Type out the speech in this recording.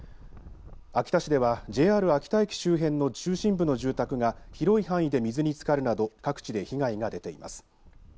秋田市ではＪＲ秋田駅周辺の中心部の住宅が広い範囲で水につかるなど各地で被害が出ています。